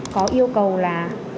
có yêu cầu là